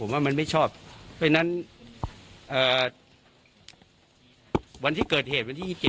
ว่ามันไม่ชอบเพราะฉะนั้นวันที่เกิดเหตุวันที่๒๗